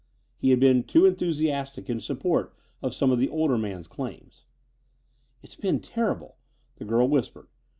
He had been too enthusiastic in support of some of the older man's claims. "It's been terrible," the girl whispered.